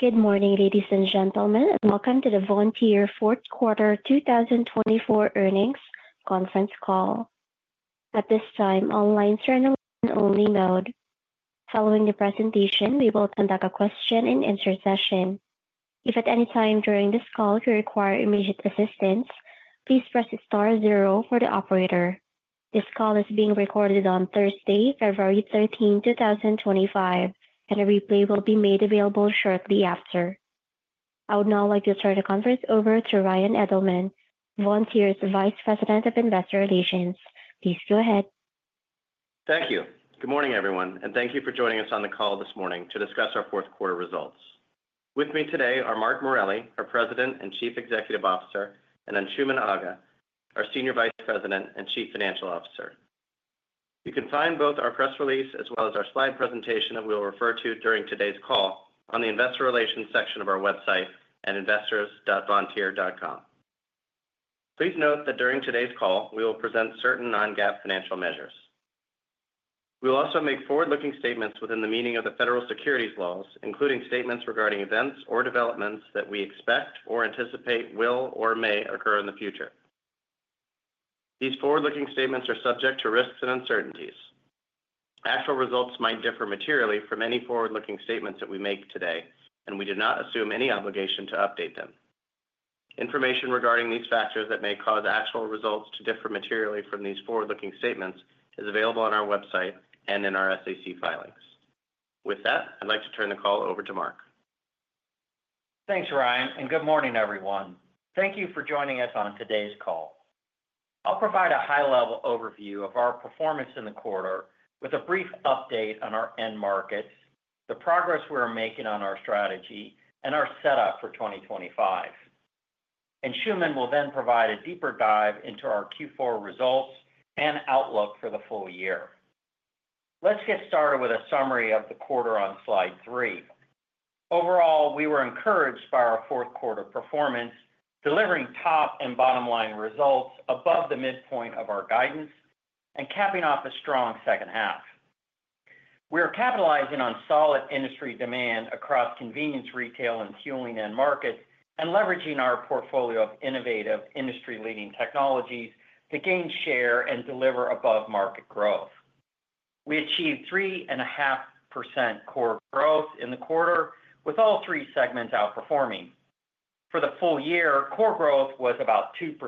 Good morning, ladies and gentlemen, and welcome to the Vontier Q4 2024 earnings conference call. At this time, all lines are in a listen-only mode. Following the presentation, we will conduct a question-and-answer session. If at any time during this call you require immediate assistance, please press *0 for the operator. This call is being recorded on Thursday, February 13, 2025, and a replay will be made available shortly after. I would now like to turn the conference over to Ryan Edelman, Vontier's Vice President of Investor Relations. Please go ahead. Thank you. Good morning, everyone, and thank you for joining us on the call this morning to discuss our Q4 results. With me today are Mark Morelli, our President and Chief Executive Officer, and Anshooman Aga, our Senior Vice President and Chief Financial Officer. You can find both our press release as well as our slide presentation that we'll refer to during today's call on the Investor Relations section of our website at investors.vontier.com. Please note that during today's call, we will present certain non-GAAP financial measures. We will also make forward-looking statements within the meaning of the federal securities laws, including statements regarding events or developments that we expect or anticipate will or may occur in the future. These forward-looking statements are subject to risks and uncertainties. Actual results might differ materially from any forward-looking statements that we make today, and we do not assume any obligation to update them. Information regarding these factors that may cause actual results to differ materially from these forward-looking statements is available on our website and in our SEC filings. With that, I'd like to turn the call over to Marc. Thanks, Ryan, and good morning, everyone. Thank you for joining us on today's call. I'll provide a high-level overview of our performance in the quarter with a brief update on our end markets, the progress we're making on our strategy, and our setup for 2025. Anshooman will then provide a deeper dive into our Q4 results and outlook for the full year. Let's get started with a summary of the quarter on slide three. Overall, we were encouraged by our Q4 performance, delivering top and bottom-line results above the midpoint of our guidance and capping off a strong second half. We are capitalizing on solid industry demand across convenience retail and fueling end markets and leveraging our portfolio of innovative, industry-leading technologies to gain share and deliver above-market growth. We achieved 3.5% core growth in the quarter, with all three segments outperforming. For the full year, core growth was about 2%,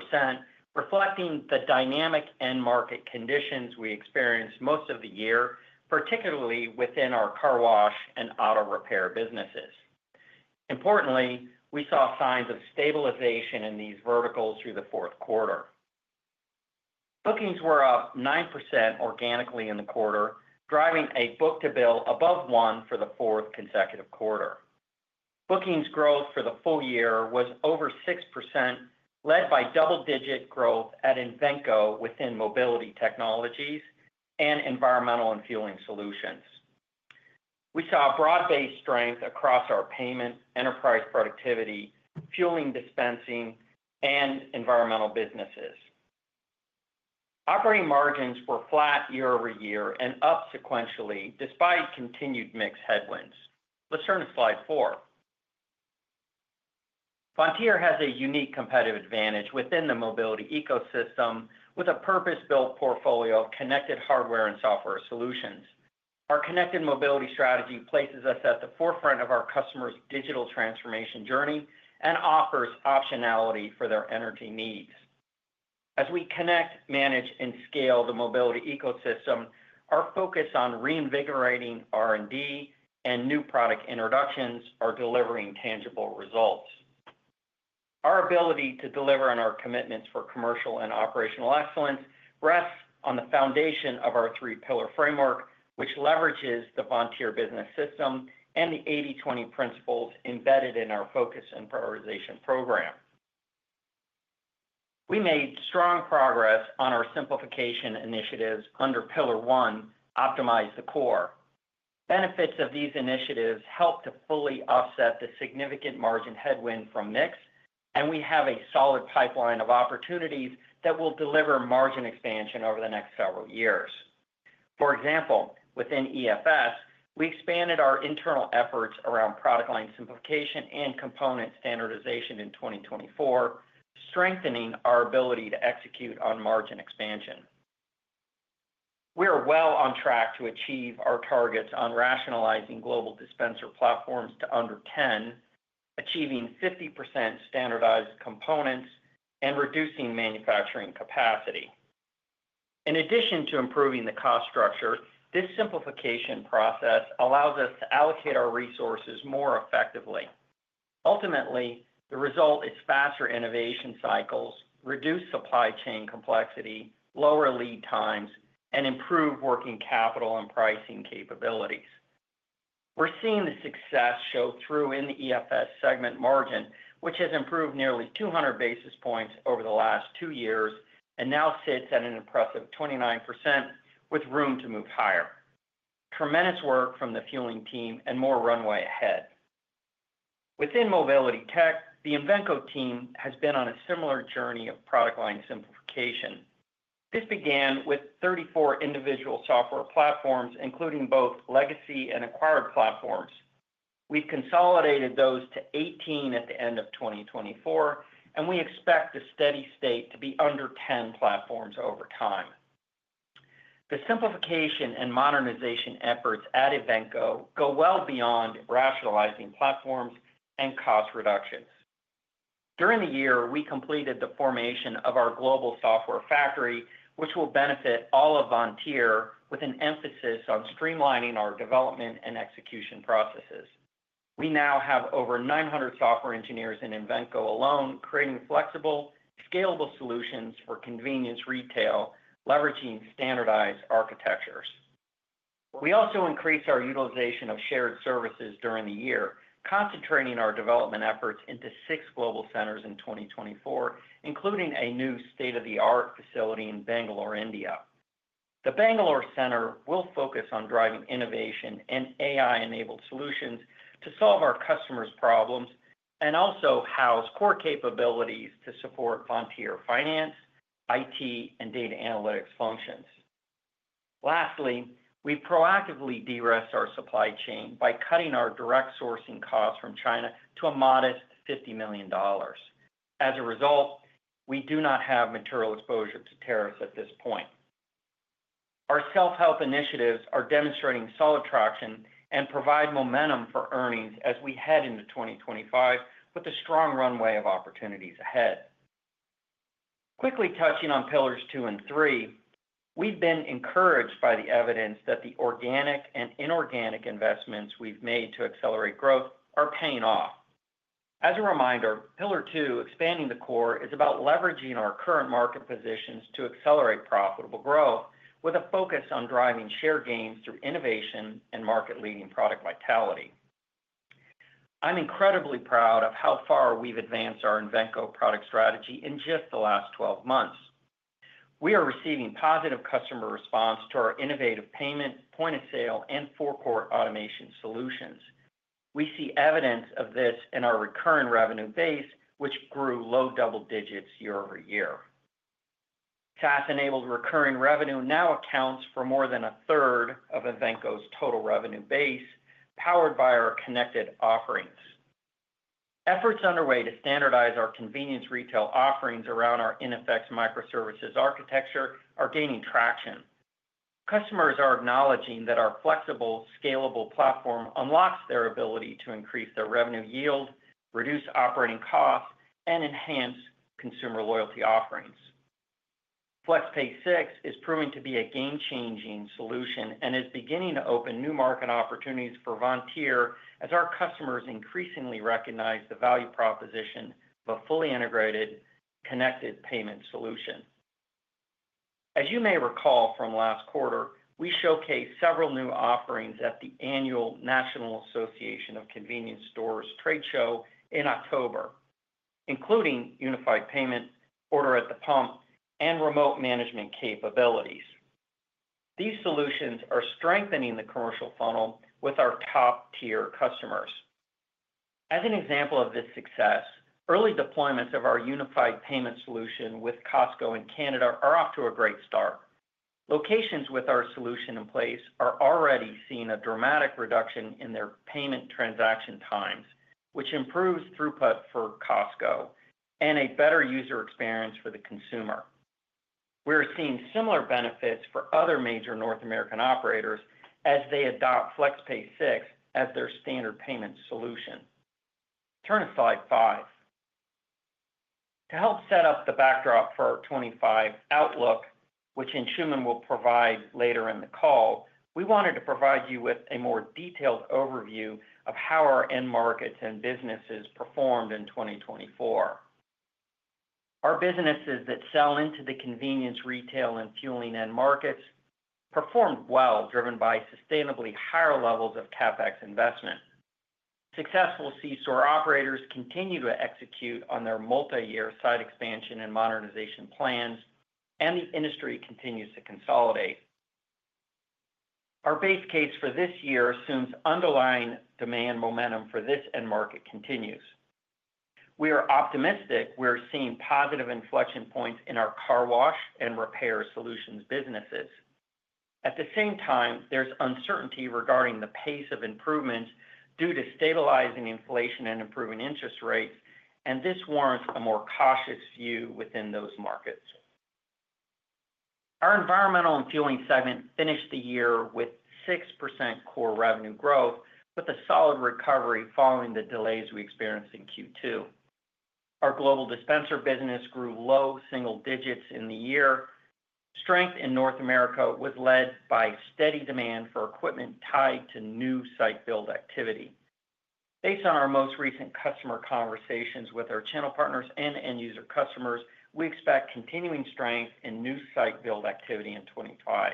reflecting the dynamic end market conditions we experienced most of the year, particularly within our car wash and auto Repair businesses. Importantly, we saw signs of stabilization in these verticals through the fourth quarter. Bookings were up 9% organically in the quarter, driving a book-to-bill above one for the fourth consecutive quarter. Bookings growth for the full year was over 6%, led by double-digit growth at Invenco Mobility Technologies and Environmental & Fueling Solutions. We saw broad-based strength across our payment, enterprise productivity, fueling dispensing, and environmental businesses. Operating margins were flat year over year and up sequentially despite continued mixed headwinds. Let's turn to slide four. Vontier has a unique competitive advantage within the mobility ecosystem with a purpose-built portfolio of connected hardware and software solutions. Our connected mobility strategy places us at the forefront of our customers' digital transformation journey and offers optionality for their energy needs. As we connect, manage, and scale the mobility ecosystem, our focus on reinvigorating R&D and new product introductions are delivering tangible results. Our ability to deliver on our commitments for commercial and operational excellence rests on the foundation of our three-pillar framework, which leverages the Vontier Business System and the 80/20 principles embedded in our focus and prioritization program. We made strong progress on our simplification initiatives under Pillar 1, Optimize the Core. Benefits of these initiatives help to fully offset the significant margin headwind from mix, and we have a solid pipeline of opportunities that will deliver margin expansion over the next several years. For example, within E&F, we expanded our internal efforts around product line simplification and component standardization in 2024, strengthening our ability to execute on margin expansion. We are well on track to achieve our targets on rationalizing global dispenser platforms to under 10, achieving 50% standardized components, and reducing manufacturing capacity. In addition to improving the cost structure, this simplification process allows us to allocate our resources more effectively. Ultimately, the result is faster innovation cycles, reduced supply chain complexity, lower lead times, and improved working capital and pricing capabilities. We're seeing the success show through in the E&F segment margin, which has improved nearly 200 basis points over the last two years and now sits at an impressive 29%, with room to move higher. Tremendous work from the fueling team and more runway ahead. Within Mobility Tech, the Invenco team has been on a similar journey of product line simplification. This began with 34 individual software platforms, including both legacy and acquired platforms. We've consolidated those to 18 at the end of 2024, and we expect the steady state to be under 10 platforms over time. The simplification and modernization efforts at Invenco go well beyond rationalizing platforms and cost reductions. During the year, we completed the formation of our global software factory, which will benefit all of Vontier, with an emphasis on streamlining our development and execution processes. We now have over 900 software engineers in Invenco alone, creating flexible, scalable solutions for convenience retail, leveraging standardized architectures. We also increased our utilization of shared services during the year, concentrating our development efforts into six global centers in 2024, including a new state-of-the-art facility in Bangalore, India. The Bangalore Center will focus on driving innovation and AI-enabled solutions to solve our customers' problems and also house core capabilities to support Vontier finance, IT, and data analytics functions. Lastly, we proactively de-risked our supply chain by cutting our direct sourcing costs from China to a modest $50 million. As a result, we do not have material exposure to tariffs at this point. Our self-help initiatives are demonstrating solid traction and provide momentum for earnings as we head into 2025 with a strong runway of opportunities ahead. Quickly touching on Pillars Two and Three, we've been encouraged by the evidence that the organic and inorganic investments we've made to accelerate growth are paying off. As a reminder, Pillar Two, expanding the core, is about leveraging our current market positions to accelerate profitable growth, with a focus on driving share gains through innovation and market-leading product vitality. I'm incredibly proud of how far we've advanced our Invenco product strategy in just the last 12 months. We are receiving positive customer response to our innovative payments, point-of-sale, and forecourt automation solutions. We see evidence of this in our recurring revenue base, which grew low double digits year over year. SaaS enabled recurring revenue now accounts for more than a third of Invenco's total revenue base, powered by our connected offerings. Efforts underway to standardize our convenience retail offerings around our iNFX microservices architecture are gaining traction. Customers are acknowledging that our flexible, scalable platform unlocks their ability to increase their revenue yield, reduce operating costs, and enhance consumer loyalty offerings. FlexPay 6 is proving to be a game-changing solution and is beginning to open new market opportunities for Vontier as our customers increasingly recognize the value proposition of a fully integrated, connected payment solution. As you may recall from last quarter, we showcased several new offerings at the annual National Association of Convenience Stores trade show in October, including unified payment, order at the pump, and remote management capabilities. These solutions are strengthening the commercial funnel with our top-tier customers. As an example of this success, early deployments of our unified payment solution with Costco in Canada are off to a great start. Locations with our solution in place are already seeing a dramatic reduction in their payment transaction times, which improves throughput for Costco and a better user experience for the consumer. We're seeing similar benefits for other major North American operators as they adopt FlexPay 6 as their standard payment solution. Turn to slide five. To help set up the backdrop for our '25 outlook, which Anshooman will provide later in the call, we wanted to provide you with a more detailed overview of how our end markets and businesses performed in 2024. Our businesses that sell into the convenience retail and fueling end markets performed well, driven by sustainably higher levels of CapEx investment. Successful C-store operators continue to execute on their multi-year site expansion and modernization plans, and the industry continues to consolidate. Our base case for this year assumes underlying demand momentum for this end market continues. We are optimistic we're seeing positive inflection points in our car wash and Repair Solutions businesses. At the same time, there's uncertainty regarding the pace of improvements due to stabilizing inflation and improving interest rates, and this warrants a more cautious view within those markets. Our Environmental and Fueling segment finished the year with 6% core revenue growth, with a solid recovery following the delays we experienced in Q2. Our global dispenser business grew low single digits in the year. Strength in North America was led by steady demand for equipment tied to new site build activity. Based on our most recent customer conversations with our channel partners and end-user customers, we expect continuing strength in new site build activity in 2025.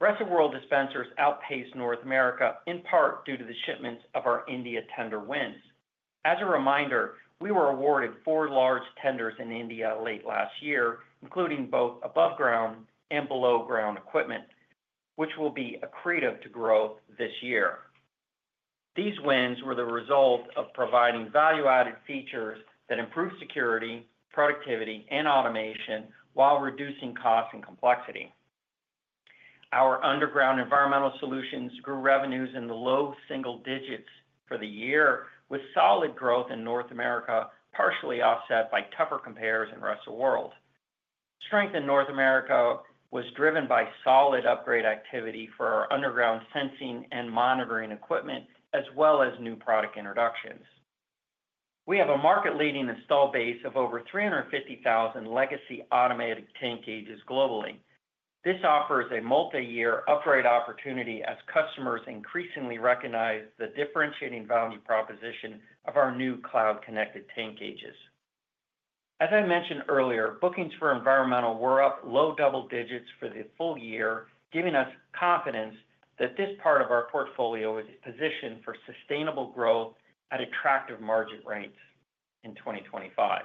Rest of World dispensers outpaced North America in part due to the shipments of our India tender wins. As a reminder, we were awarded four large tenders in India late last year, including both above-ground and below-ground equipment, which will be accretive to grow this year. These wins were the result of providing value-added features that improve security, productivity, and automation while reducing costs and complexity. Our underground environmental solutions grew revenues in the low single digits for the year, with solid growth in North America, partially offset by tougher comparison Rest of World. Strength in North America was driven by solid upgrade activity for our underground sensing and monitoring equipment, as well as new product introductions. We have a market-leading installed base of over 350,000 legacy automated tank gauges globally. This offers a multi-year upgrade opportunity as customers increasingly recognize the differentiating value proposition of our new cloud-connected tank gauges. As I mentioned earlier, bookings for environmental were up low double digits for the full year, giving us confidence that this part of our portfolio is positioned for sustainable growth at attractive margin rates in 2025.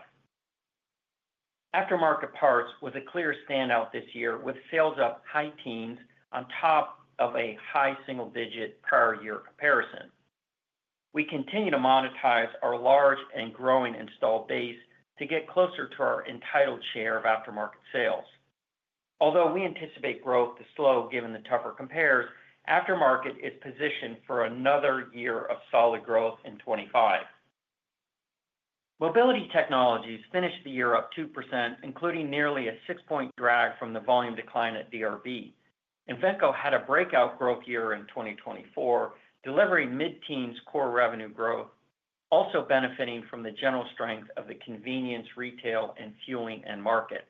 Aftermarket parts was a clear standout this year, with sales up high teens on top of a high single-digit prior year comparison. We continue to monetize our large and growing install base to get closer to our entitled share of aftermarket sales. Although we anticipate growth to slow given the tougher comparisons, aftermarket is positioned for another year of solid growth in Mobility Technologies finished the year up 2%, including nearly a six-point drag from the volume decline at DRB. Invenco had a breakout growth year in 2024, delivering mid-teens core revenue growth, also benefiting from the general strength of the convenience retail and fueling end market.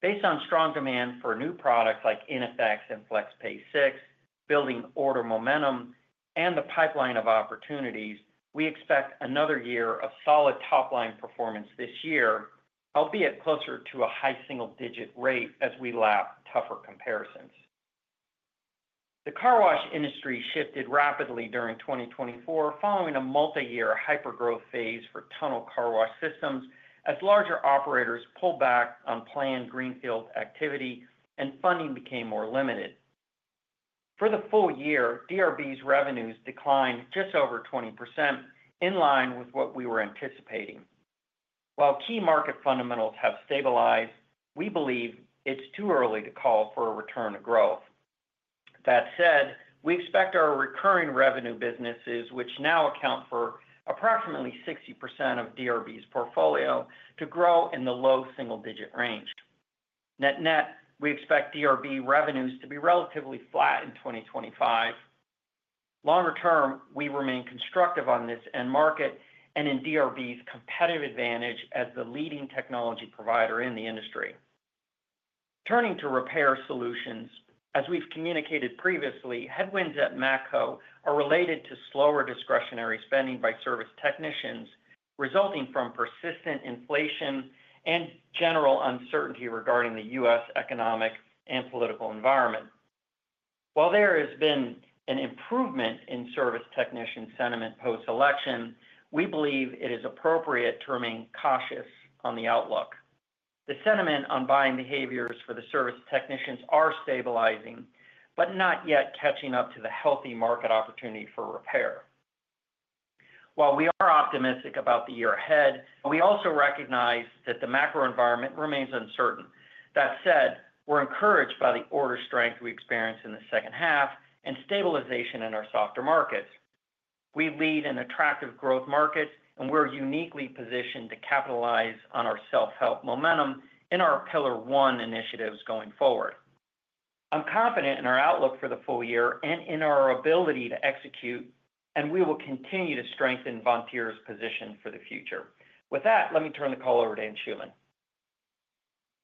Based on strong demand for new products like iNFX and FlexPay 6, building order momentum, and the pipeline of opportunities, we expect another year of solid top-line performance this year, albeit closer to a high single-digit rate as we allow tougher comparisons. The car wash industry shifted rapidly during 2024, following a multi-year hyper-growth phase for tunnel car wash systems as larger operators pulled back on planned greenfield activity and funding became more limited. For the full year, DRB's revenues declined just over 20%, in line with what we were anticipating. While key market fundamentals have stabilized, we believe it's too early to call for a return to growth. That said, we expect our recurring revenue businesses, which now account for approximately 60% of DRB's portfolio, to grow in the low single-digit range. Net-net, we expect DRB revenues to be relatively flat in 2025. Longer term, we remain constructive on this end market and in DRB's competitive advantage as the leading technology provider in the industry. Turning to Repair Solutions, as we've communicated previously, headwinds at Matco Tools are related to slower discretionary spending by service technicians, resulting from persistent inflation and general uncertainty regarding the U.S. economic and political environment. While there has been an improvement in service technician sentiment post-election, we believe it is appropriate to remain cautious on the outlook. The sentiment on buying behaviors for the service technicians is stabilizing, but not yet catching up to the healthy market opportunity for Repair. While we are optimistic about the year ahead, we also recognize that the macro environment remains uncertain. That said, we're encouraged by the order strength we experienced in the second half and stabilization in our softer markets. We lead an attractive growth market, and we're uniquely positioned to capitalize on our self-help momentum in our Pillar 1 initiatives going forward. I'm confident in our outlook for the full year and in our ability to execute, and we will continue to strengthen Vontier's position for the future. With that, let me turn the call over to Anshooman.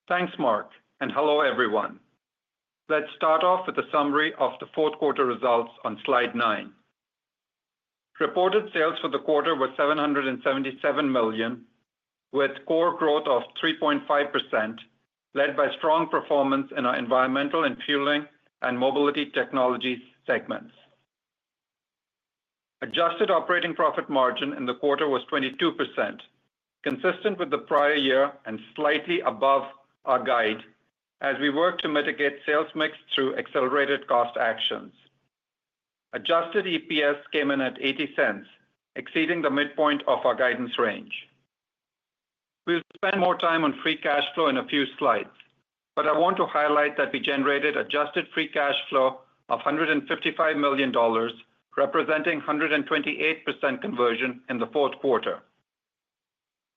Thanks, Marc, and hello everyone. Let's start off with a summary of the fourth quarter results on slide nine. Reported sales for the quarter was $777 million, with core growth of 3.5%, led by strong performance in our Environmental and Fueling Mobility Technologies segments. Adjusted operating profit margin in the quarter was 22%, consistent with the prior year and slightly above our guide as we worked to mitigate sales mix through accelerated cost actions. Adjusted EPS came in at $0.80, exceeding the midpoint of our guidance range. We'll spend more time on free cash flow in a few slides, but I want to highlight that we generated adjusted free cash flow of $155 million, representing 128% conversion in the fourth quarter.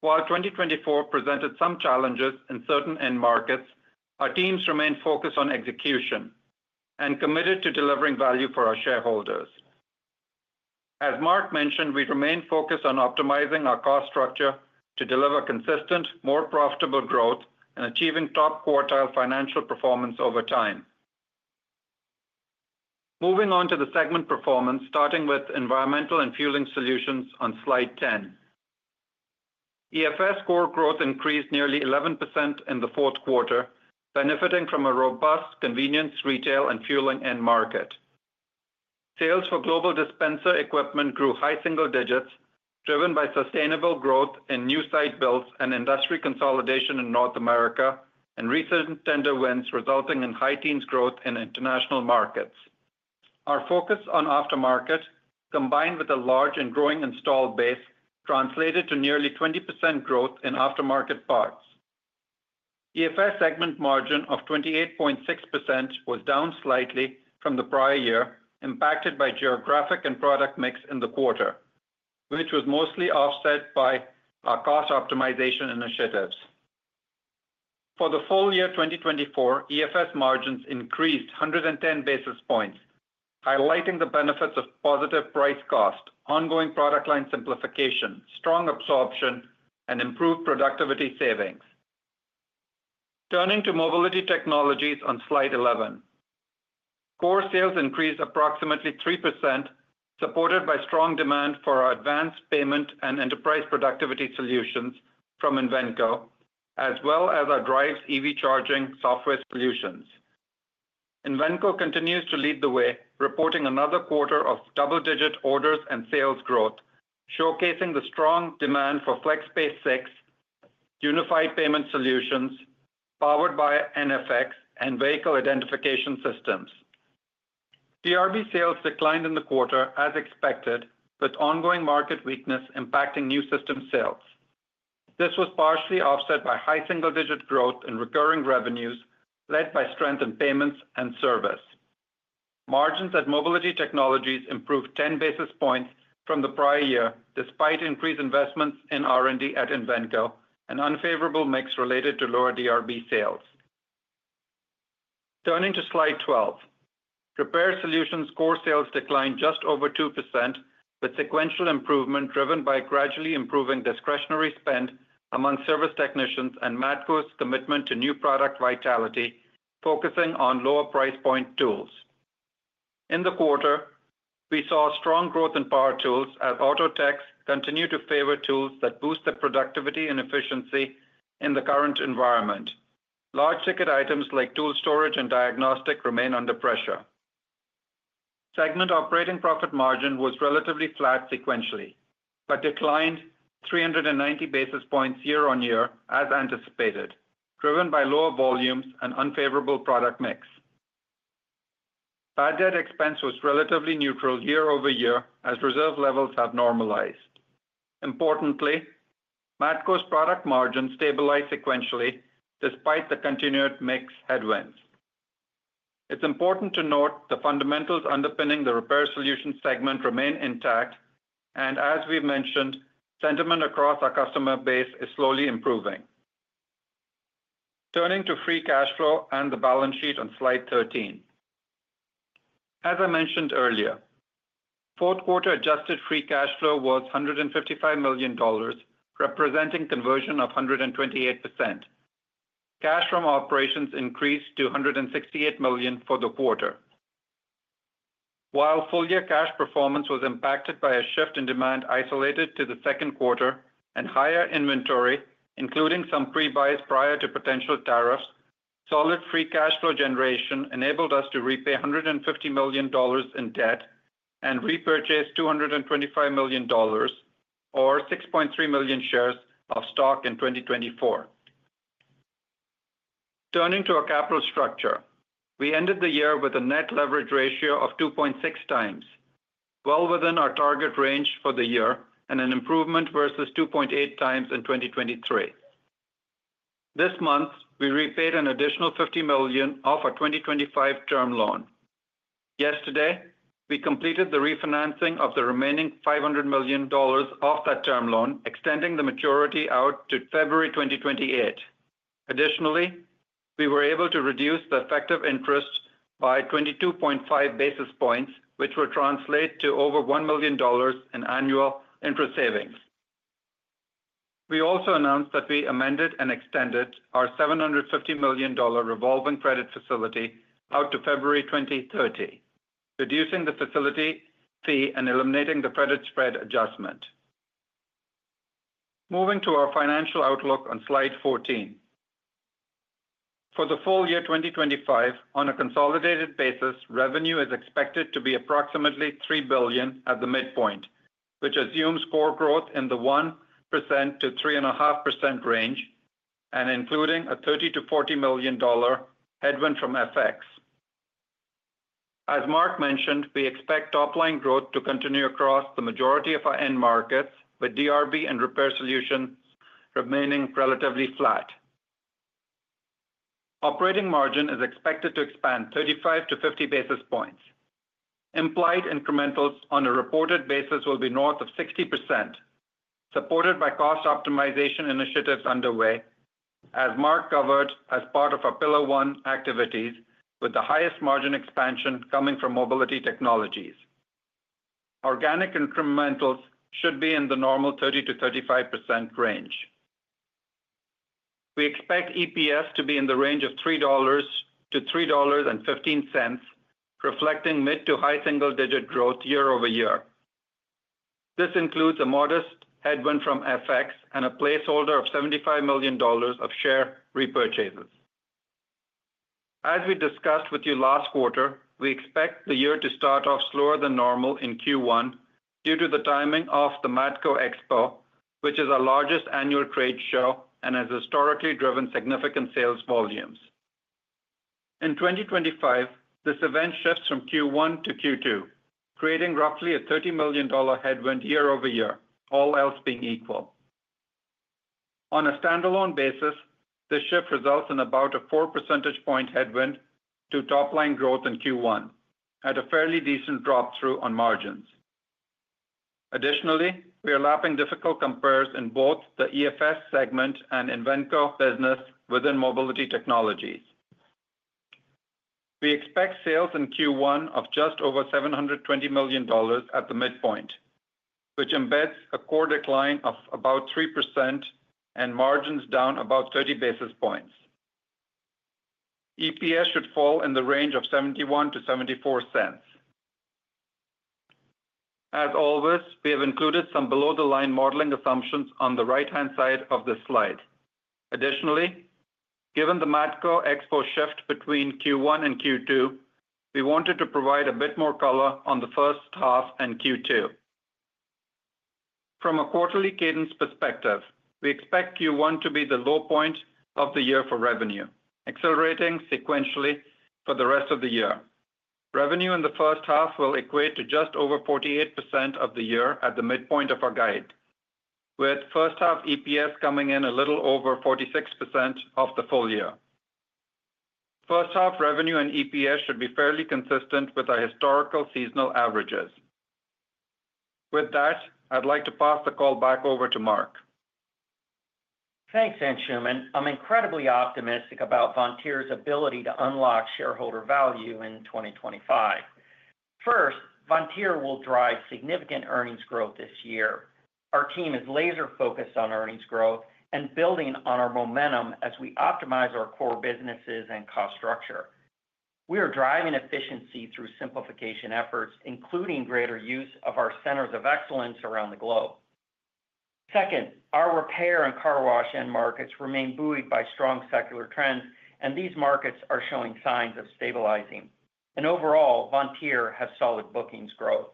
While 2024 presented some challenges in certain end markets, our teams remained focused on execution and committed to delivering value for our shareholders. As Marc mentioned, we remain focused on optimizing our cost structure to deliver consistent, more profitable growth and achieving top quartile financial performance over time. Moving on to the segment performance, starting with Environmental & Fueling Solutions on slide 10. E&F core growth increased nearly 11% in the fourth quarter, benefiting from a robust convenience retail and fueling end market. Sales for global dispenser equipment grew high single digits, driven by sustainable growth in new site builds and industry consolidation in North America and recent tender wins, resulting in high teens growth in international markets. Our focus on aftermarket, combined with a large and growing install base, translated to nearly 20% growth in aftermarket parts. E&F segment margin of 28.6% was down slightly from the prior year, impacted by geographic and product mix in the quarter, which was mostly offset by our cost optimization initiatives. For the full year 2024, E&F margins increased 110 basis points, highlighting the benefits of positive price cost, ongoing product line simplification, strong absorption, and improved productivity savings. Turning Mobility Technologies on slide 11, core sales increased approximately 3%, supported by strong demand for our advanced payment and enterprise productivity solutions from Invenco, as well as our Driivz EV charging software solutions. Invenco continues to lead the way, reporting another quarter of double-digit orders and sales growth, showcasing the strong demand for FlexPay 6, unified payment solutions powered by iNFX and vehicle identification systems. DRB sales declined in the quarter, as expected, with ongoing market weakness impacting new system sales. This was partially offset by high single-digit growth in recurring revenues, led by strength in payments and service. Margins Mobility Technologies improved 10 basis points from the prior year, despite increased investments in R&D at Invenco and unfavorable mix related to lower DRB sales. Turning to slide 12, Repair Solutions core sales declined just over 2%, with sequential improvement driven by gradually improving discretionary spend among service technicians and Matco Tools' commitment to new product vitality, focusing on lower price point tools. In the quarter, we saw strong growth in power tools as auto techs continue to favor tools that boost the productivity and efficiency in the current environment. Large ticket items like tool storage and diagnostic remain under pressure. Segment operating profit margin was relatively flat sequentially, but declined 390 basis points year on year as anticipated, driven by lower volumes and unfavorable product mix. Bad debt expense was relatively neutral year over year as reserve levels have normalized. Importantly, Matco Tools' product margin stabilized sequentially despite the continued mix headwinds. It's important to note the fundamentals underpinning the Repair Solution segment remain intact, and as we've mentioned, sentiment across our customer base is slowly improving. Turning to free cash flow and the balance sheet on slide 13. As I mentioned earlier, fourth quarter adjusted free cash flow was $155 million, representing conversion of 128%. Cash from operations increased to $168 million for the quarter. While full year cash performance was impacted by a shift in demand isolated to the Q2 and higher inventory, including some pre-buys prior to potential tariffs, solid free cash flow generation enabled us to repay $150 million in debt and repurchase $225 million, or 6.3 million shares of stock in 2024. Turning to our capital structure, we ended the year with a net leverage ratio of 2.6 times, well within our target range for the year and an improvement versus 2.8 times in 2023. This month, we repaid an additional $50 million off a 2025 term loan. Yesterday, we completed the refinancing of the remaining $500 million off that term loan, extending the maturity out to February 2028. Additionally, we were able to reduce the effective interest by 22.5 basis points, which will translate to over $1 million in annual interest savings. We also announced that we amended and extended our $750 million revolving credit facility out to February 2030, reducing the facility fee and eliminating the credit spread adjustment. Moving to our financial outlook on slide 14. For the full year 2025, on a consolidated basis, revenue is expected to be approximately $3 billion at the midpoint, which assumes core growth in the 1%-3.5% range and including a $30-$40 million headwind from FX. As Marc mentioned, we expect top-line growth to continue across the majority of our end markets, with DRB and Repair Solutions remaining relatively flat. Operating margin is expected to expand 35 to 50 basis points. Implied incrementals on a reported basis will be north of 60%, supported by cost optimization initiatives underway, as Mark covered as part of our Pillar 1 activities, with the highest margin expansion coming Mobility Technologies. organic incrementals should be in the normal 30%-35% range. We expect EPS to be in the range of $3-$3.15, reflecting mid to high single-digit growth year over year. This includes a modest headwind from FX and a placeholder of $75 million of share repurchases. As we discussed with you last quarter, we expect the year to start off slower than normal in Q1 due to the timing of the Matco Expo, which is our largest annual trade show and has historically driven significant sales volumes. In 2025, this event shifts from Q1 to Q2, creating roughly a $30 million headwind year over year, all else being equal. On a standalone basis, this shift results in about a 4 percentage point headwind to top-line growth in Q1, at a fairly decent drop-through on margins. Additionally, we are lapping difficult compares in both the E&F segment and Invenco business Mobility Technologies. we expect sales in Q1 of just over $720 million at the midpoint, which embeds a core decline of about 3% and margins down about 30 basis points. EPS should fall in the range of $0.71-$0.74. As always, we have included some below-the-line modeling assumptions on the right-hand side of this slide. Additionally, given the Matco Expo shift between Q1 and Q2, we wanted to provide a bit more color on the first half and Q2. From a quarterly cadence perspective, we expect Q1 to be the low point of the year for revenue, accelerating sequentially for the rest of the year. Revenue in the first half will equate to just over 48% of the year at the midpoint of our guide, with first-half EPS coming in a little over 46% of the full year. First-half revenue and EPS should be fairly consistent with our historical seasonal averages. With that, I'd like to pass the call back over to Marc. Thanks, Anshooman. I'm incredibly optimistic about Vontier's ability to unlock shareholder value in 2025. First, Vontier will drive significant earnings growth this year. Our team is laser-focused on earnings growth and building on our momentum as we optimize our core businesses and cost structure. We are driving efficiency through simplification efforts, including greater use of our centers of excellence around the globe. Second, our Repair and car wash end markets remain buoyed by strong secular trends, and these markets are showing signs of stabilizing, and overall, Vontier has solid bookings growth.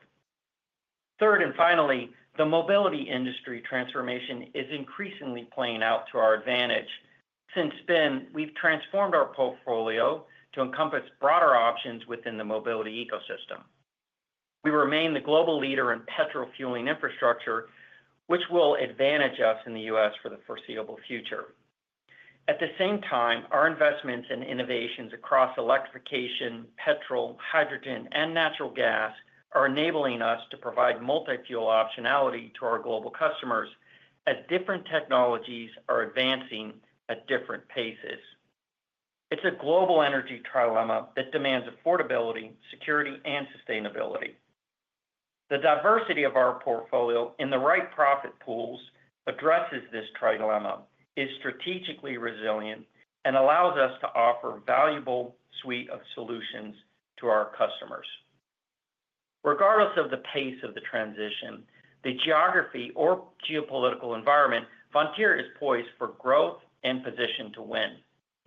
Third and finally, the mobility industry transformation is increasingly playing out to our advantage. Since spin, we've transformed our portfolio to encompass broader options within the mobility ecosystem. We remain the global leader in petrol fueling infrastructure, which will advantage us in the U.S. for the foreseeable future. At the same time, our investments in innovations across electrification, petrol, hydrogen, and natural gas are enabling us to provide multi-fuel optionality to our global customers as different technologies are advancing at different paces. It's a global energy trilemma that demands affordability, security, and sustainability. The diversity of our portfolio in the right profit pools addresses this trilemma, is strategically resilient, and allows us to offer a valuable suite of solutions to our customers. Regardless of the pace of the transition, the geography or geopolitical environment, Vontier is poised for growth and positioned to win,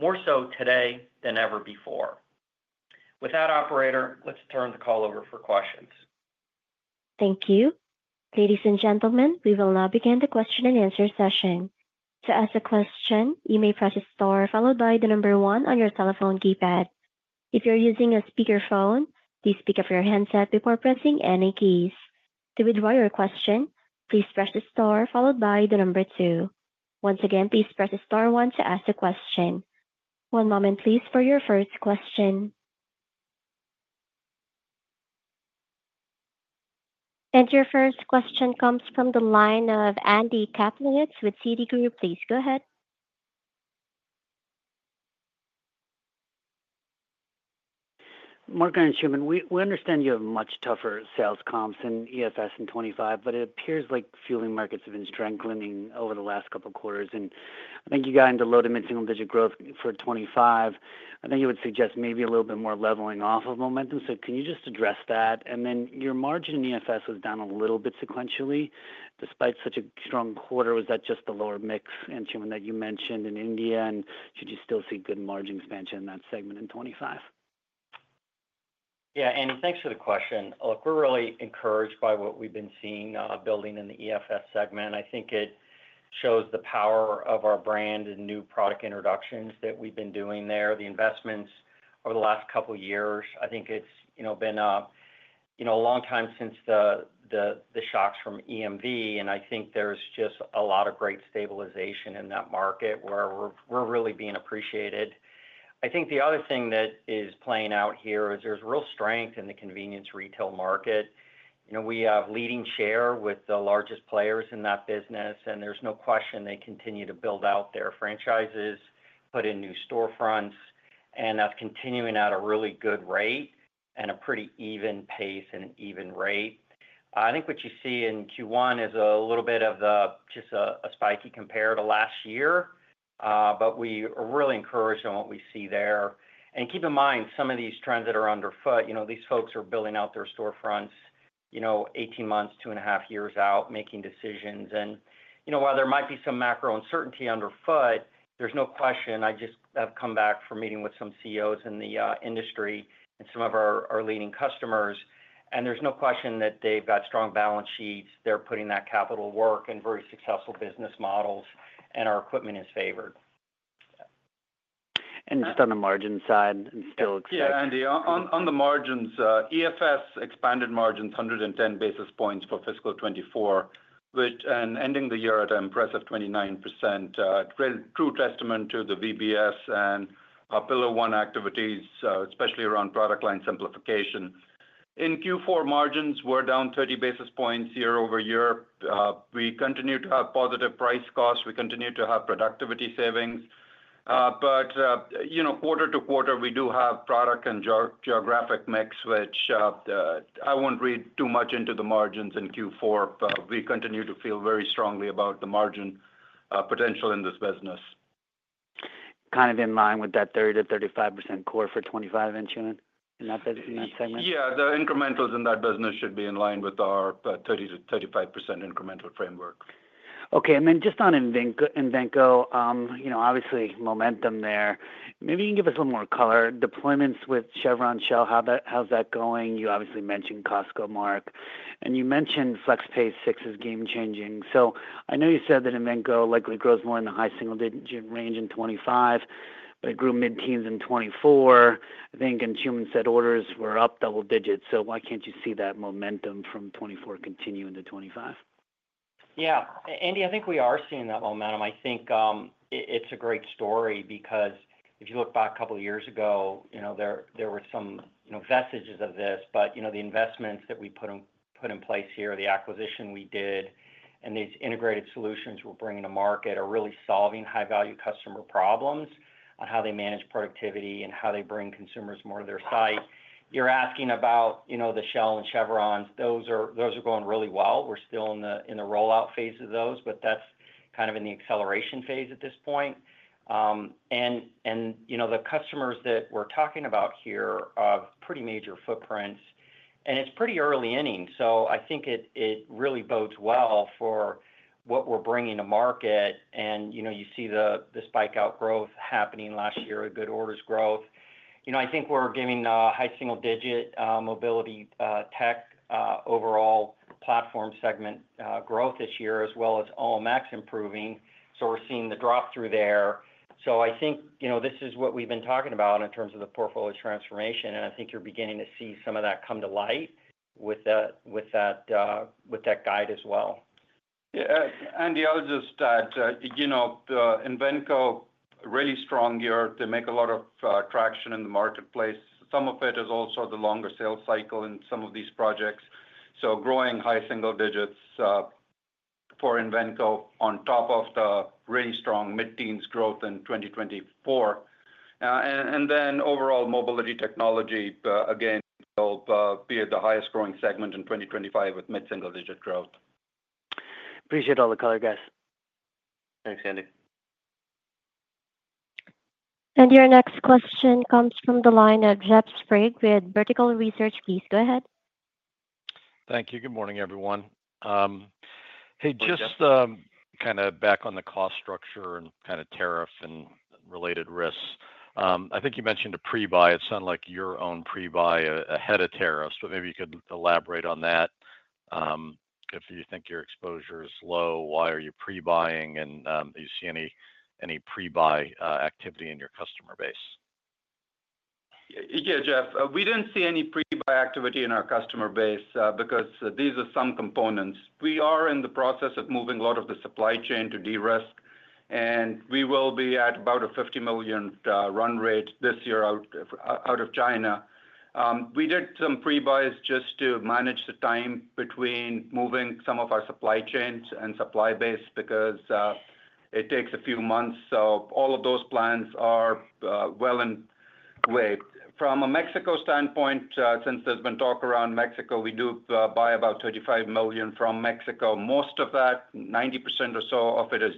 more so today than ever before. With that, Operator, let's turn the call over for questions. Thank you. Ladies and gentlemen, we will now begin the question and answer session. To ask a question, you may press the star followed by the number one on your telephone keypad. If you're using a speakerphone, please pick up your handset before pressing any keys. To withdraw your question, please press the star followed by the number two. Once again, please press the star one to ask the question. One moment, please, for your first question. And your first question comes from the line of Andy Kaplowitz with Citigroup. Please go ahead. Marc, Anshooman, we understand you have much tougher sales comps in E&F in 2025, but it appears like fueling markets have been strengthening over the last couple of quarters. And I think you got into low to mid-single digit growth for 2025. I think it would suggest maybe a little bit more leveling off of momentum. So can you just address that? And then your margin in E&F was down a little bit sequentially. Despite such a strong quarter, was that just the lower mix? Anshooman, that you mentioned in India, and should you still see good margin expansion in that segment in 2025? Yeah, Andy, thanks for the question. Look, we're really encouraged by what we've been seeing building in the E&F segment. I think it shows the power of our brand and new product introductions that we've been doing there. The investments over the last couple of years, I think it's been a long time since the shocks from EMV, and I think there's just a lot of great stabilization in that market where we're really being appreciated. I think the other thing that is playing out here is there's real strength in the convenience retail market. We have leading share with the largest players in that business, and there's no question they continue to build out their franchises, put in new storefronts, and that's continuing at a really good rate and a pretty even pace and even rate. I think what you see in Q1 is a little bit of just a spiky compared to last year, but we are really encouraged on what we see there. And keep in mind, some of these trends that are underfoot, these folks are building out their storefronts 18 months, two and a half years out, making decisions. And while there might be some macro uncertainty underfoot, there's no question. I just have come back from meeting with some CEOs in the industry and some of our leading customers, and there's no question that they've got strong balance sheets. They're putting that capital work and very successful business models, and our equipment is favored. And just on the margin side, I'm still expecting. Yeah, Andy, on the margins, E&F expanded margins 110 basis points for fiscal 2024, which ending the year at an impressive 29%. True testament to the VBS and our Pillar 1 activities, especially around product line simplification. In Q4, margins were down 30 basis points year over year. We continue to have positive price costs. We continue to have productivity savings. But quarter to quarter, we do have product and geographic mix, which I won't read too much into the margins in Q4, but we continue to feel very strongly about the margin potential in this business. Kind of in line with that 30%-35% core for 2025, Anshooman, in that segment? Yeah, the incrementals in that business should be in line with our 30%-35% incremental framework. Okay, and then just on Invenco, obviously momentum there. Maybe you can give us a little more color. Deployments with Chevron, Shell, how's that going? You obviously mentioned Costco, Marc. And you mentioned FlexPay 6 is game-changing. So I know you said that Invenco likely grows more in the high single-digit range in 2025, but it grew mid-teens in 2024. I think Anshooman said orders were up double digits. So why can't you see that momentum from 2024 continuing to 2025? Yeah, Andy, I think we are seeing that momentum. I think it's a great story because if you look back a couple of years ago, there were some vestiges of this, but the investments that we put in place here, the acquisition we did, and these integrated solutions we're bringing to market are really solving high-value customer problems on how they manage productivity and how they bring consumers more to their site. You're asking about the Shell and Chevron. Those are going really well. We're still in the rollout phase of those, but that's kind of in the acceleration phase at this point. The customers that we're talking about here have pretty major footprints, and it's pretty early innings. I think it really bodes well for what we're bringing to market. You see the spike in growth happening last year, good orders growth. I think we're getting high single-digit Mobility Tech overall platform segment growth this year, as well as OMs improving. So we're seeing the drop-through there. So I think this is what we've been talking about in terms of the portfolio transformation, and I think you're beginning to see some of that come to light with that guide as well. Yeah, Andy, I'll just add, Invenco is really strong here. They make a lot of traction in the marketplace. Some of it is also the longer sales cycle in some of these projects. So growing high single digits for Invenco on top of the really strong mid-teens growth in 2024. And then overall Mobility Technology, again, will be the highest-growing segment in 2025 with mid-single digit growth. Appreciate all the color, guys. Thanks, Andy. And your next question comes from the line of Jeffrey Sprague with Vertical Research Partners. Go ahead. Thank you. Good morning, everyone. Hey, just kind of back on the cost structure and kind of tariffs and related risks. I think you mentioned a pre-buy. It sounded like your own pre-buy ahead of tariffs, but maybe you could elaborate on that. If you think your exposure is low, why are you pre-buying, and do you see any pre-buy activity in your customer base? Yeah, Jeff, we didn't see any pre-buy activity in our customer base because these are some components. We are in the process of moving a lot of the supply chain to DRB, and we will be at about a $50 million run rate this year out of China. We did some pre-buys just to manage the time between moving some of our supply chains and supply base because it takes a few months. So all of those plans are well underway. From a Mexico standpoint, since there's been talk around Mexico, we do buy about $35 million from Mexico. Most of that, 90% or so of it is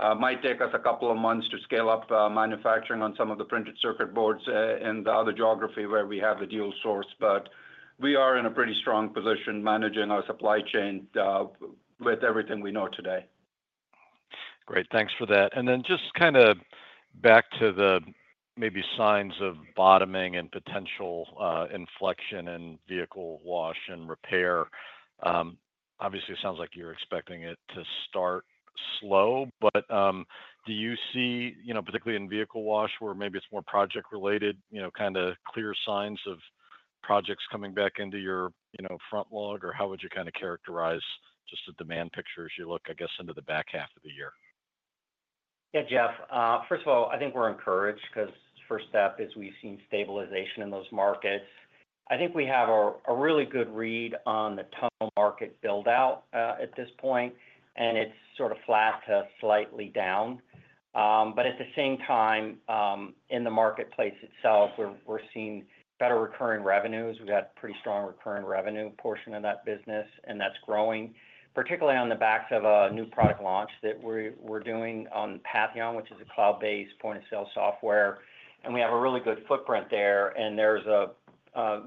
dual-sourced. Might take us a couple of months to scale up manufacturing on some of the printed circuit boards in the other geography where we have the dual-sourced, but we are in a pretty strong position managing our supply chain with everything we know today. Great. Thanks for that, and then just kind of back to the maybe signs of bottoming and potential inflection in vehicle wash and Repair. Obviously, it sounds like you're expecting it to start slow, but do you see, particularly in vehicle wash, where maybe it's more project-related, kind of clear signs of projects coming back into your funnel, or how would you kind of characterize just the demand picture as you look, I guess, into the back half of the year? Yeah, Jeff, first of all, I think we're encouraged because first step is we've seen stabilization in those markets. I think we have a really good read on the tunnel market buildout at this point, and it's sort of flat to slightly down. But at the same time, in the marketplace itself, we're seeing better recurring revenues. We've got a pretty strong recurring revenue portion of that business, and that's growing, particularly on the back of a new product launch that we're doing on Patheon, which is a cloud-based point-of-sale software. And we have a really good footprint there. And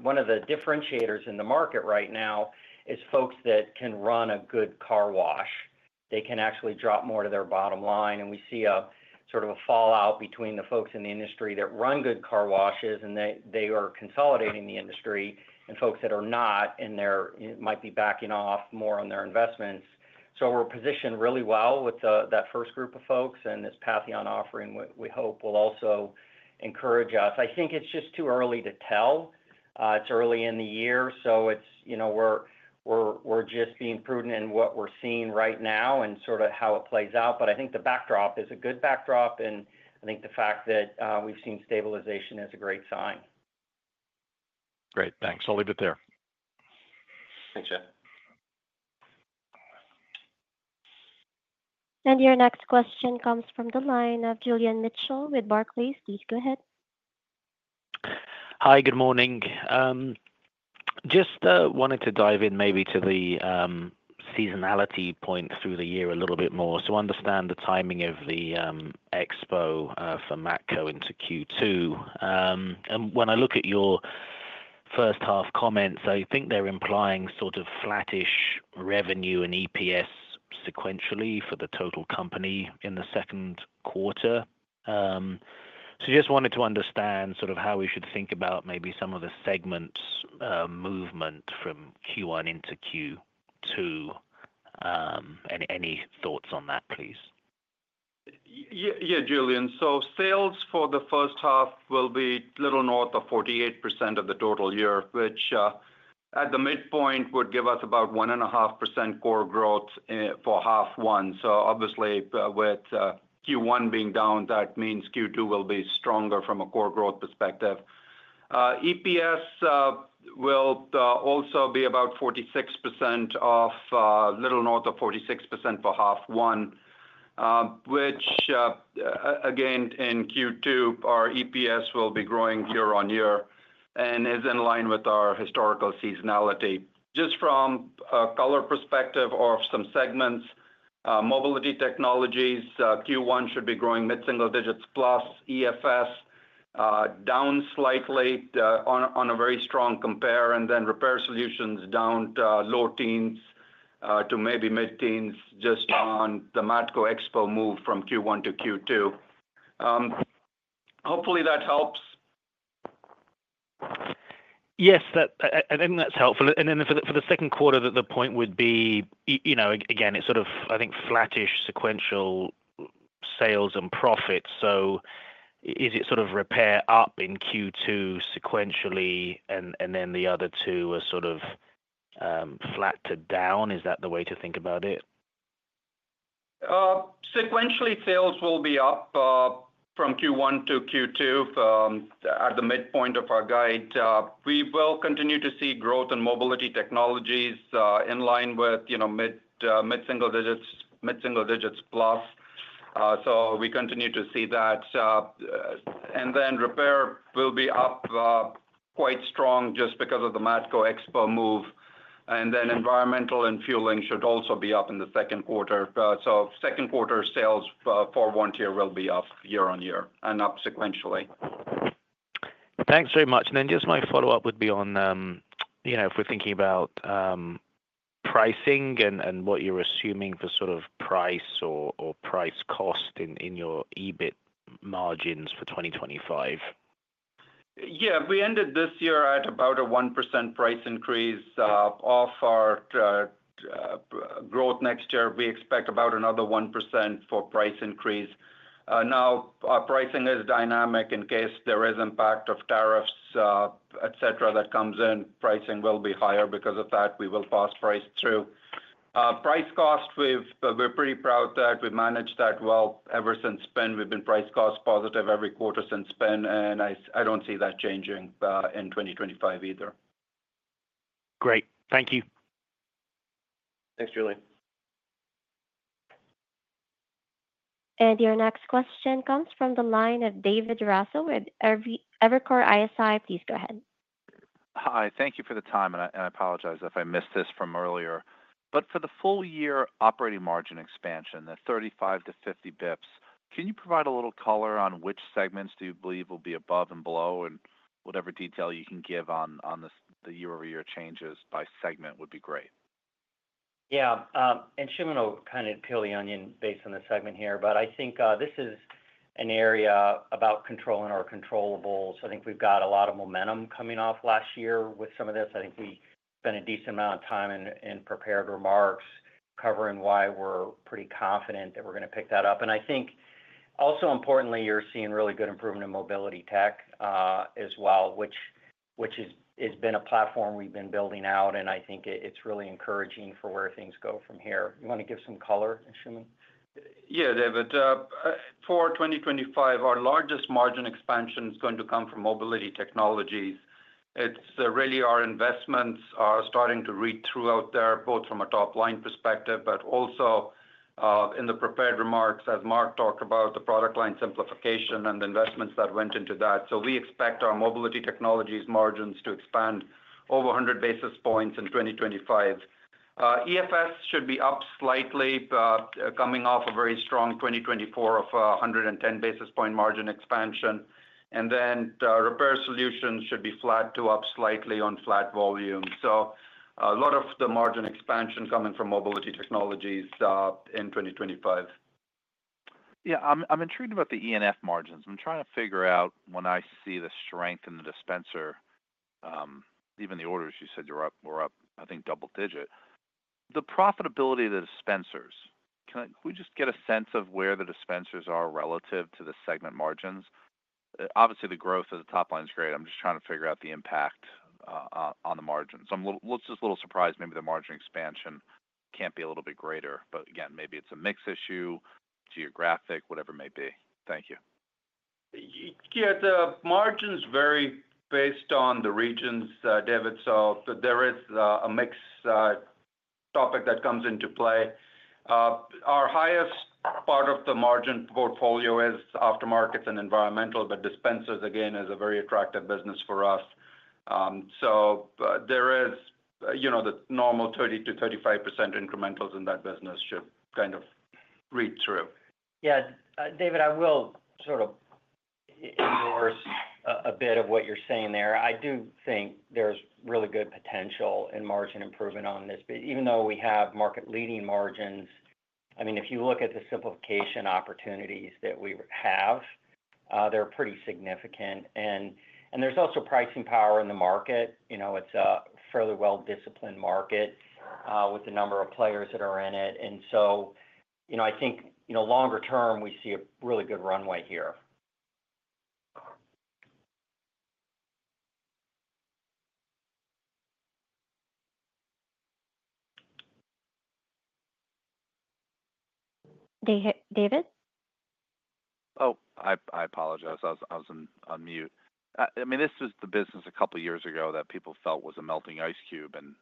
one of the differentiators in the market right now is folks that can run a good car wash. They can actually drop more to their bottom line. And we see a sort of a fallout between the folks in the industry that run good car washes, and they are consolidating the industry, and folks that are not, and they might be backing off more on their investments. So we're positioned really well with that first group of folks, and this Patheon offering, we hope, will also encourage us. I think it's just too early to tell. It's early in the year, so we're just being prudent in what we're seeing right now and sort of how it plays out. But I think the backdrop is a good backdrop, and I think the fact that we've seen stabilization is a great sign. Great. Thanks. I'll leave it there. Thanks, Jeff. And your next question comes from the line of Julian Mitchell with Barclays. Please go ahead. Hi, good morning. Just wanted to dive in maybe to the seasonality point through the year a little bit more to understand the timing of the expo for Matco into Q2. And when I look at your first half comments, I think they're implying sort of flattish revenue and EPS sequentially for the total company in the Q2. So just wanted to understand sort of how we should think about maybe some of the segment movement from Q1 into Q2. Any thoughts on that, please? Yeah, Julian. So sales for the first half will be a little north of 48% of the total year, which at the midpoint would give us about 1.5% core growth for half one. So obviously, with Q1 being down, that means Q2 will be stronger from a core growth perspective. EPS will also be about 46% off, a little north of 46% for half one, which, again, in Q2, our EPS will be growing year on year and is in line with our historical seasonality. Just from a color perspective of some Mobility Technologies, q1 should be growing mid-single digits plus FX, down slightly on a very strong compare, and then Repair Solutions down to low teens to maybe mid-teens just on the Matco Expo move from Q1 to Q2. Hopefully, that helps. Yes, I think that's helpful. And then for the Q2, the point would be, again, it's sort of, I think, flattish sequential sales and profits. So is it sort of Repair up in Q2 sequentially, and then the other two are sort of flat to down? Is that the way to think about it? Sequentially, sales will be up from Q1 to Q2 at the midpoint of our guide. We will continue to see growth Mobility Technologies in line with mid-single digits, mid-single digits plus. So we continue to see that. And then Repair will be up quite strong just because of the Matco Expo move. And then Environmental and Fueling should also be up in the Q2. So Q2 sales for Vontier will be up year on year and up sequentially. Thanks very much. And then just my follow-up would be on, if we're thinking about pricing and what you're assuming for sort of price or price cost in your EBIT margins for 2025. Yeah, we ended this year at about a 1% price increase of our growth next year. We expect about another 1% for price increase. Now, pricing is dynamic. In case there is impact of tariffs, etc., that comes in, pricing will be higher because of that. We will pass price through. Price cost, we're pretty proud that we've managed that well ever since the spin. We've been price cost positive every quarter since the spin, and I don't see that changing in 2025 either. Great. Thank you. Thanks, Julian. And your next question comes from the line of David Raso with Evercore ISI. Please go ahead. Hi, thank you for the time, and I apologize if I missed this from earlier. But for the full year operating margin expansion, the 35-50 basis points, can you provide a little color on which segments do you believe will be above and below? And whatever detail you can give on the year-over-year changes by segment would be great. Yeah, Anshooman will kind of peel the onion based on the segment here, but I think this is an area about controlling our controllable. So I think we've got a lot of momentum coming off last year with some of this. I think we spent a decent amount of time in prepared remarks covering why we're pretty confident that we're going to pick that up. And I think also importantly, you're seeing really good improvement in Mobility Tech as well, which has been a platform we've been building out, and I think it's really encouraging for where things go from here. You want to give some color, Anshooman? Yeah, David. For 2025, our largest margin expansion is going to come from Mobility Technologies. It's really our investments are starting to read throughout there, both from a top-line perspective, but also in the prepared remarks as Marc talked about the product line simplification and the investments that went into that. So we expect Mobility Technologies margins to expand over 100 basis points in 2025. E&F should be up slightly coming off a very strong 2024 of 110 basis point margin expansion. And then Repair Solutions should be flat to up slightly on flat volume. So a lot of the margin expansion coming Mobility Technologies in 2025. Yeah, I'm intrigued about the E&F margins. I'm trying to figure out when I see the strength in the dispenser, even the orders you said were up, I think, double digit. The profitability of the dispensers. Can we just get a sense of where the dispensers are relative to the segment margins? Obviously, the growth of the top line is great. I'm just trying to figure out the impact on the margins. I'm just a little surprised maybe the margin expansion can't be a little bit greater, but again, maybe it's a mixed issue, geographic, whatever it may be. Thank you. Yeah, the margin's very based on the regions, David, so there is a mixed topic that comes into play. Our highest part of the margin portfolio is aftermarkets and environmental, but dispensers, again, is a very attractive business for us. So there is the normal 30%-35% incrementals in that business should kind of read through. Yeah, David, I will sort of endorse a bit of what you're saying there. I do think there's really good potential in margin improvement on this, but even though we have market-leading margins, I mean, if you look at the simplification opportunities that we have, they're pretty significant. And there's also pricing power in the market. It's a fairly well-disciplined market with the number of players that are in it. And so I think longer term, we see a really good runway here. David? Oh, I apologize. I was on mute. I mean, this was the business a couple of years ago that people felt was a melting ice cube, and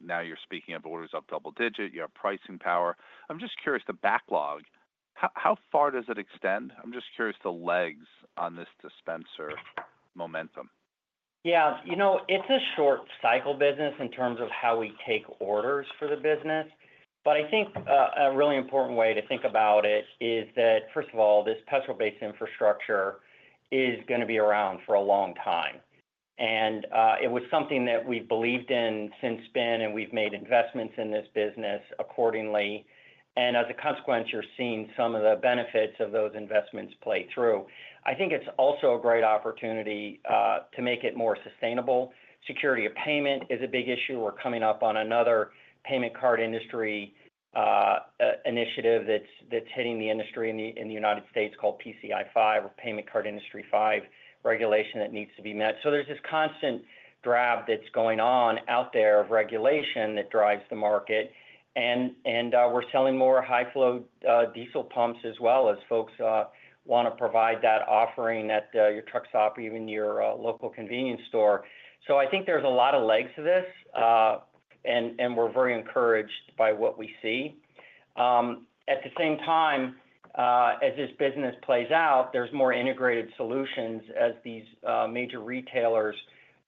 now you're speaking of orders up double digit. You have pricing power. I'm just curious, the backlog, how far does it extend? I'm just curious the legs on this dispenser momentum. Yeah, it's a short-cycle business in terms of how we take orders for the business. But I think a really important way to think about it is that, first of all, this petrol-based infrastructure is going to be around for a long time. And it was something that we've believed in since spin, and we've made investments in this business accordingly. And as a consequence, you're seeing some of the benefits of those investments play through. I think it's also a great opportunity to make it more sustainable. Security of payment is a big issue. We're coming up on another payment card industry initiative that's hitting the industry in the United States called PCI 5 or Payment Card Industry 5 regulation that needs to be met. So there's this constant draft that's going on out there of regulation that drives the market. And we're selling more high-flow diesel pumps as well, as folks want to provide that offering at your truck stop or even your local convenience store. So I think there's a lot of legs to this, and we're very encouraged by what we see. At the same time, as this business plays out, there's more integrated solutions as these major retailers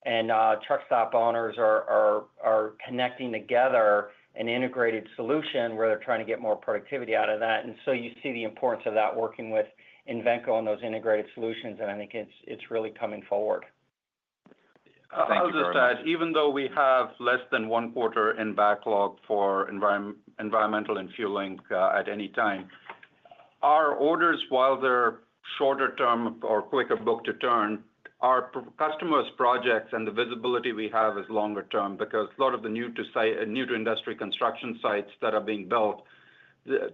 and truck stop owners are connecting together an integrated solution where they're trying to get more productivity out of that. And so you see the importance of that working with Invenco on those integrated solutions, and I think it's really coming forward. I'll just add, even though we have less than one quarter in backlog for Environmental and Fueling at any time, our orders, while they're shorter term or quicker book-to-bill, our customers' projects and the visibility we have is longer term because a lot of the new-to-industry construction sites that are being built,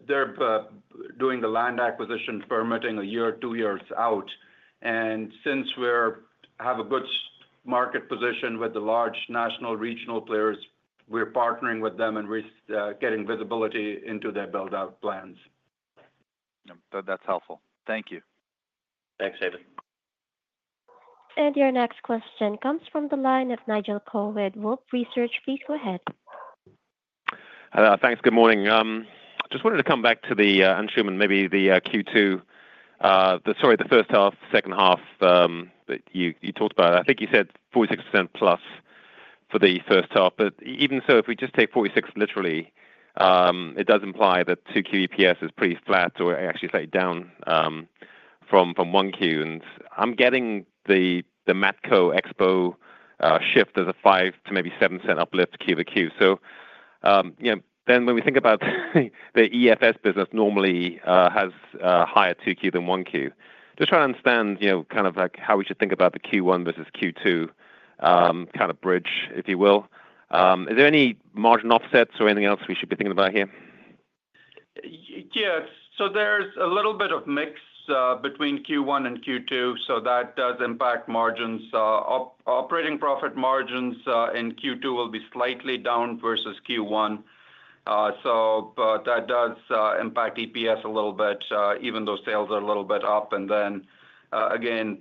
they're doing the land acquisition permitting a year, two years out. And since we have a good market position with the large national regional players, we're partnering with them and getting visibility into their build-out plans. That's helpful. Thank you. Thanks, David. And your next question comes from the line of Nigel Coe, Wolfe Research. Please go ahead. Thanks. Good morning. I just wanted to come back to the Anshooman, maybe the Q2, sorry, the first half, second half that you talked about. I think you said 46% plus for the first half, but even so, if we just take 46 literally, it does imply that 2Q EPS is pretty flat or actually slightly down from 1Q. And I'm getting the Matco Expo shift as a 5% to maybe 7% uplift Q to Q. So then when we think about the E&F business, normally has higher 2Q than 1Q. Just trying to understand kind of how we should think about the Q1 versus Q2 kind of bridge, if you will. Is there any margin offsets or anything else we should be thinking about here? Yeah, so there's a little bit of mix between Q1 and Q2, so that does impact margins. Operating profit margins in Q2 will be slightly down versus Q1. So that does impact EPS a little bit, even though sales are a little bit up. And then again,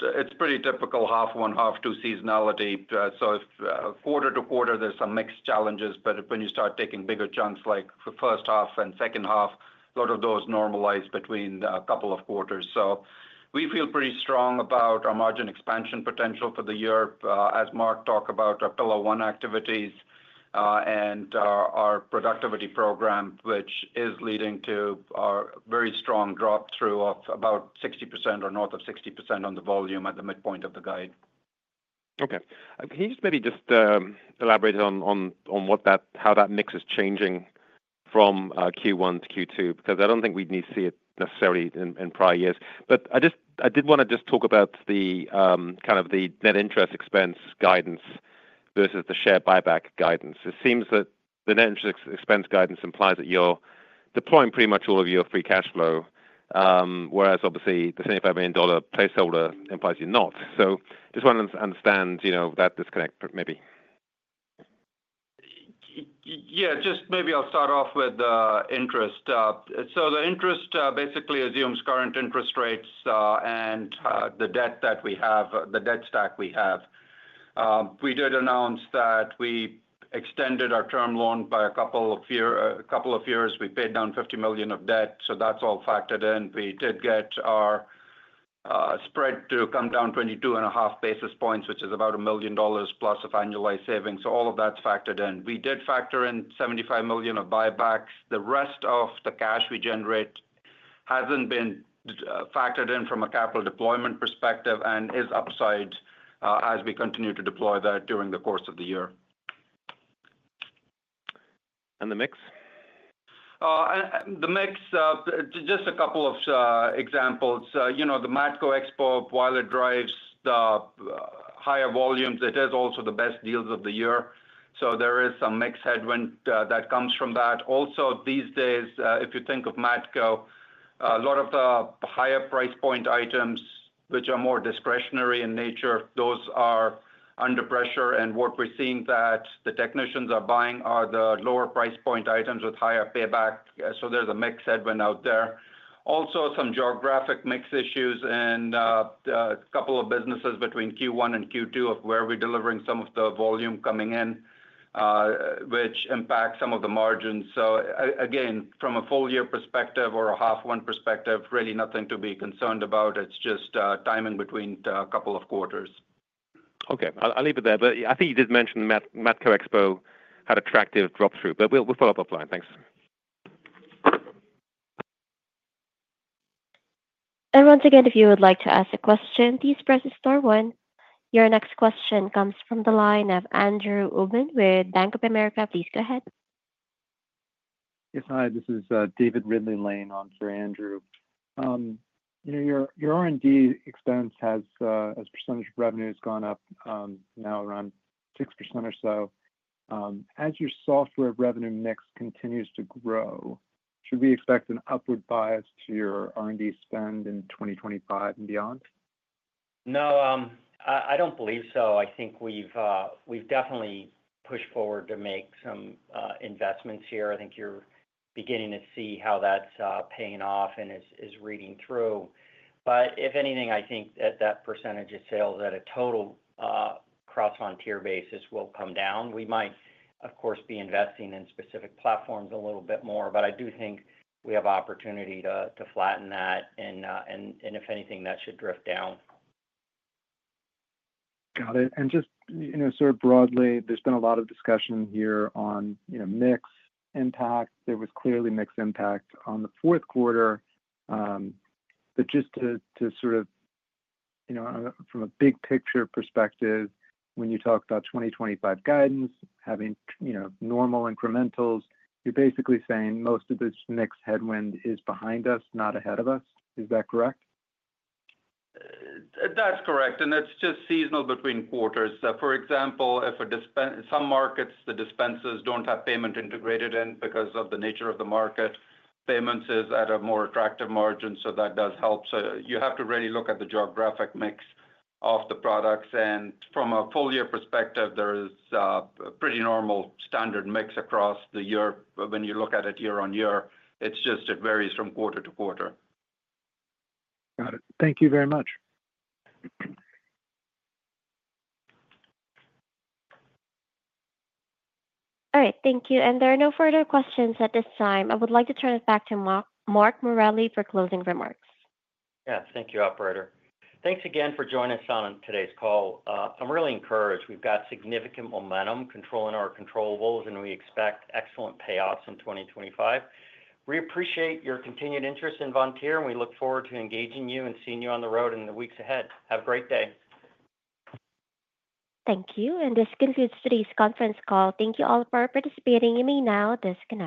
it's pretty typical half one, half two seasonality. So if quarter to quarter, there's some mixed challenges, but when you start taking bigger chunks like first half and second half, a lot of those normalize between a couple of quarters. So we feel pretty strong about our margin expansion potential for the year, as Marc talked about, our Pillar 1 activities and our productivity program, which is leading to a very strong drop through of about 60% or north of 60% on the volume at the midpoint of the guide. Okay. Can you just maybe just elaborate on how that mix is changing from Q1 to Q2? Because I don't think we need to see it necessarily in prior years. But I did want to just talk about kind of the net interest expense guidance versus the share buyback guidance. It seems that the net interest expense guidance implies that you're deploying pretty much all of your free cash flow, whereas obviously the $75 million placeholder implies you're not. So just want to understand that disconnect maybe. Yeah, just maybe I'll start off with interest. So the interest basically assumes current interest rates and the debt that we have, the debt stack we have. We did announce that we extended our term loan by a couple of years. We paid down $50 million of debt, so that's all factored in. We did get our spread to come down 22 and a half basis points, which is about a million dollars plus of annualized savings. So all of that's factored in. We did factor in $75 million of buybacks. The rest of the cash we generate hasn't been factored in from a capital deployment perspective and is upside as we continue to deploy that during the course of the year. The mix? The mix, just a couple of examples. The Matco Expo, while it drives the higher volumes, it is also the best deals of the year. So there is some mixed headwind that comes from that. Also, these days, if you think of Matco, a lot of the higher price point items, which are more discretionary in nature, those are under pressure. And what we're seeing that the technicians are buying are the lower price point items with higher payback. So there's a mixed headwind out there. Also, some geographic mix issues and a couple of businesses between Q1 and Q2 of where we're delivering some of the volume coming in, which impacts some of the margins. So again, from a full year perspective or a half one perspective, really nothing to be concerned about. It's just timing between a couple of quarters. Okay, I'll leave it there, but I think you did mention Matco Expo had attractive drop through, but we'll follow up offline. Thanks. And once again, if you would like to ask a question, please press star one. Your next question comes from the line of Andrew Obin with Bank of America. Please go ahead. Yes, hi, this is David Ridley-Lane on for Andrew. Your R&D expense has as percentage of revenues gone up now around 6% or so. As your software revenue mix continues to grow, should we expect an upward bias to your R&D spend in 2025 and beyond? No, I don't believe so. I think we've definitely pushed forward to make some investments here. I think you're beginning to see how that's paying off and is riding through. But if anything, I think that that percentage of sales at a total corporate tier basis will come down. We might, of course, be investing in specific platforms a little bit more, but I do think we have opportunity to flatten that and if anything, that should drift down. Got it. Just sort of broadly, there's been a lot of discussion here on mix impact. There was clearly mix impact on the fourth quarter. Just to sort of from a big picture perspective, when you talk about 2025 guidance, having normal incrementals, you're basically saying most of this mix headwind is behind us, not ahead of us. Is that correct? That's correct. It's just seasonal between quarters. For example, if some markets, the dispensers don't have payment integrated in because of the nature of the market, payments is at a more attractive margin, so that does help. So you have to really look at the geographic mix of the products. And from a full year perspective, there is a pretty normal standard mix across the year. When you look at it year on year, it's just it varies from quarter to quarter. Got it. Thank you very much. All right. Thank you. And there are no further questions at this time. I would like to turn it back to Mark Morelli for closing remarks. Yes, thank you, Operator. Thanks again for joining us on today's call. I'm really encouraged. We've got significant momentum controlling our controllables, and we expect excellent payoffs in 2025. We appreciate your continued interest in Vontier, and we look forward to engaging you and seeing you on the road in the weeks ahead. Have a great day. Thank you. And this concludes today's conference call. Thank you all for participating. You may now disconnect.